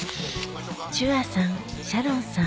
チュアさんシャロンさん